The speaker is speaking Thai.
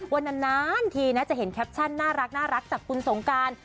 ว่านานทีนะจะเห็นแคปชั่นน่ารักจากคุณสงการ